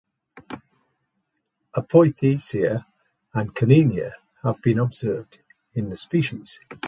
Apothecia and conidia have not been observed in this species.